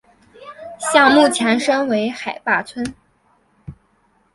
项目前身为海坝村。